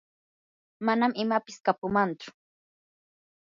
manam imapis kapumanchu.